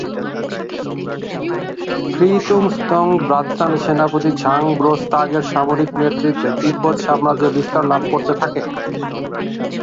খ্রি-গ্ত্সুগ-ল্দে-ব্র্ত্সানের সেনাপতি ঝাং-'ব্রো-স্তাগের সামরিক নেতৃত্বে তিব্বত সাম্রাজ্য বিস্তার লাভ করতে থাকে।